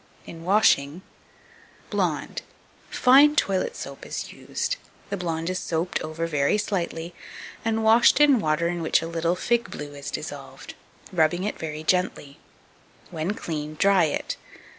In washing 2265. Blonde, fine toilet soap is used; the blonde is soaped over very slightly, and washed in water in which a little fig blue is dissolved, rubbing it very gently; when clean, dry it.